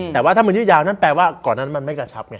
แต่ว่าถ้ามันยืดยาวนั่นแปลว่าก่อนนั้นมันไม่กระชับไง